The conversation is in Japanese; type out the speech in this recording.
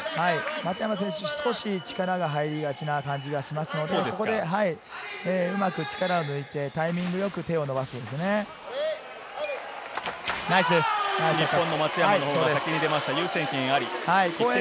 松山選手、少し力が入りがちな感じがしますので、うまく、ここで力を抜いてタイミングよく手を伸ばす、優先権あり、松山。